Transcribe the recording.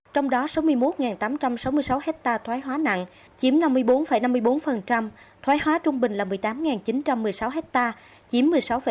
trong đó sáu mươi một tám trăm sáu mươi sáu ha thoái hóa nặng chiếm năm mươi bốn năm mươi bốn thoái hóa trung bình là một mươi tám chín trăm một mươi sáu ha chiếm một mươi sáu sáu mươi tám